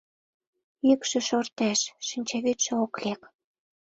Йӱкшӧ шортеш, шинчавӱдшӧ ок лек.